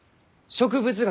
植物学？